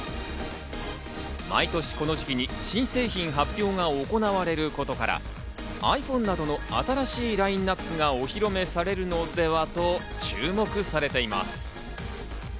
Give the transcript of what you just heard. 毎年この時期に新製品発表が行われることから、ｉＰｈｏｎｅなどの新しいラインナップがお披露目されるのではと注目されています。